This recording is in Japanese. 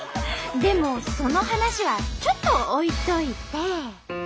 でもその話はちょっと置いといて。